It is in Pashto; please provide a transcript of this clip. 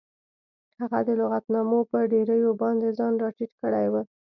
هغه د لغتنامو په ډیریو باندې ځان راټیټ کړی و